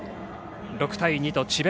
６対２と智弁